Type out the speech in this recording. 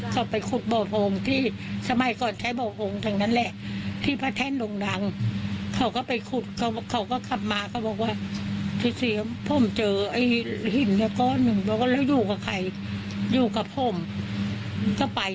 ก็ไปไปตามมันอยู่ที่รั่งเผลอ